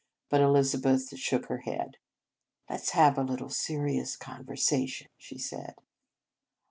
But Elizabeth shook her head. " Let ? s have a little serious conver sation," she said.